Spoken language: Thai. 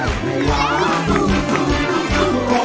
กองกุกิ๊กร้อย